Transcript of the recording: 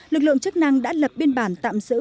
lực lượng chức năng đã lập biên bản tạm giữ